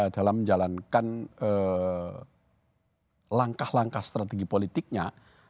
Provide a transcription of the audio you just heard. dalam menjalankan langkah langkah strategi politiknya